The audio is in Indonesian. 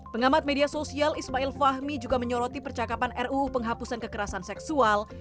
pengamat media sosial ismail fahmi juga menyoroti percakapan ruu penghapusan kekerasan seksual